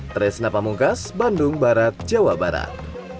tresna pamungkas bandung barat jawa barat